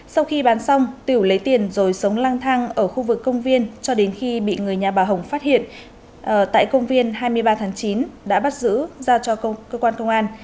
sau khi bán xong tiểu lấy tiền rồi sống lang thang ở khu vực công viên cho đến khi bị người nhà bà hồng phát hiện tại công viên hai mươi ba tháng chín đã bắt giữ ra cho cơ quan công an